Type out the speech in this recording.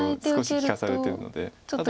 少し利かされてるので。